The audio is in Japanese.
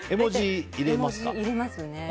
入れますね。